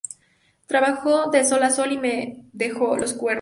Trabajo de sol a sol y me dejo los cuernos